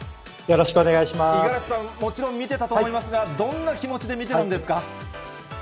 五十嵐さん、もちろん見てたと思いますが、どんな気持ちで見てたんですか？